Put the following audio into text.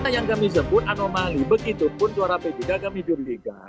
yang kami sebut anomali begitu pun suara p tiga kami jurnalikan